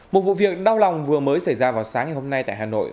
một vụ việc đau lòng vừa mới xảy ra vào sáng ngày hôm nay tại hà nội